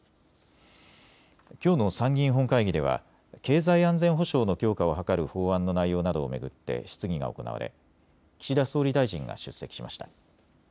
きょうの参議院本会議では経済安全保障の強化を図る法案の内容などを巡って質疑が行われ岸田総理大臣が出席しました。